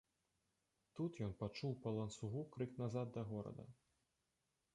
Тут ён пачуў па ланцугу крык назад да горада.